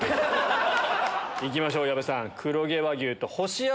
行きましょう矢部さん。